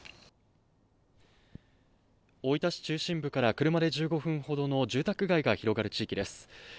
大分市中心部から車で１５分ほどの住宅街が広がる地域です。